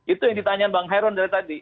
itu yang ditanya bang hairon dari tadi